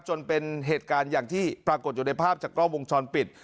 จนเป็นเหตุการณ์อย่างที่ปรากฏอยู่ในภาพจากกล้องวงจรปิด